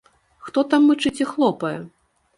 Хто там мычыць і хлопае?